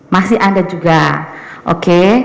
masih anda juga oke